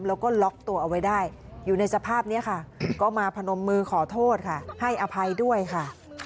แล้วก็ล็อกตัวเอาไว้ได้อยู่ในสภาพนี้ค่ะก็มาพนมมือขอโทษค่ะให้อภัยด้วยค่ะ